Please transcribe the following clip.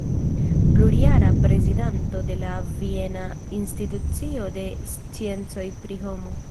Plurjara prezidanto de la Viena Instituto de Sciencoj pri Homo.